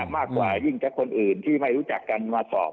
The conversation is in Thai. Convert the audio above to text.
มากกว่ายิ่งถ้าคนอื่นที่ไม่รู้จักกันมาสอบ